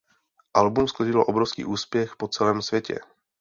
Album sklidilo obrovský úspěch po celém světě.